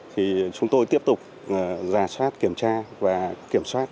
thì chúng tôi tiếp tục giả soát kiểm tra và kiểm soát